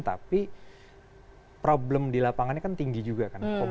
tapi problem di lapangannya kan tinggi juga kan